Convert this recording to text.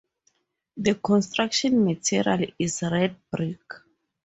The construction material is red brick.